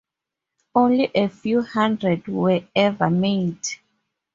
Only a few hundred were ever made.